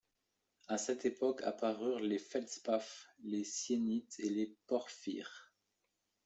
À cette époque apparurent les feldspaths, les syénites et les porphyres.